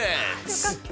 よかった。